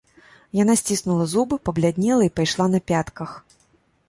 Яна сціснула зубы, пабляднела і пайшла на пятках.